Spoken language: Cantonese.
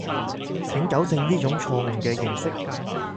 請糾正呢種錯誤嘅認識